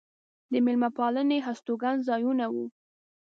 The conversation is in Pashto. د مېلمه پالنې هستوګن ځایونه و.